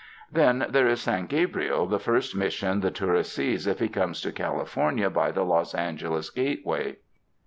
Then there is San Gabriel, the first Mission the tourist sees if he comes to California by the Los Angeles gateway.